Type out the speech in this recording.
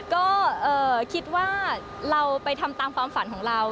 ก็คิดว่าเราไปทำตามความฝันของเรา